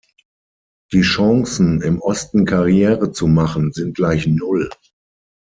Die Chancen, im Osten Karriere zu machen, sind gleich null.